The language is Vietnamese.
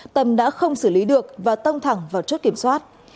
tâm đã không xử lý được và tông thẳng vào chốt kiểm soát